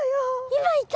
今いた！